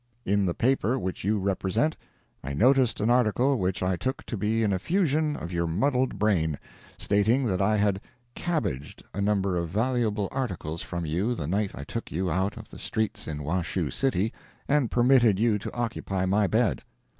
In the paper which you represent, I noticed an article which I took to be an effusion of your muddled brain, stating that I had "cabbaged" a number of valuable articles from you the night I took you out of the streets in Washoe City and permitted you to occupy my bed.